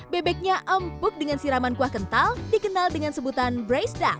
bebeknya empuk dengan siraman kuah kental dikenal dengan sebutan brace duck